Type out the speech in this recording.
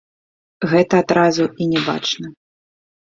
Гэта адразу і не бачна.